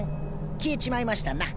消えちまいましたな。